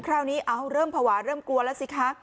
คราวนี้เริ่มภาวะเริ่มกลัวแล้วสิคะ